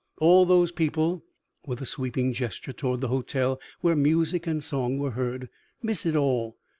All those people," with a sweeping gesture toward the hotel where music and song were heard, "miss it all.